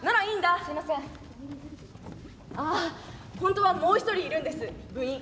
ああ本当はもう一人いるんです部員。